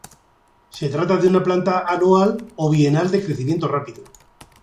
Se trata de una planta anual o bienal de crecimiento rápido.